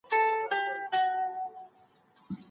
ميرمن خپل د قسم حق چا ته هبه کولای سي؟